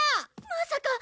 まさか！